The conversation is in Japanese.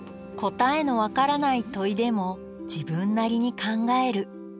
答えの分からない問いでも自分なりに考える。